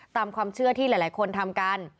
ตามความเชื่อที่หลายคนทำกัน